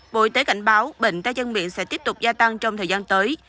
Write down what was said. bộ y tế cảnh báo bệnh tay chân miệng sẽ tiếp tục gia tăng trong thời gian tới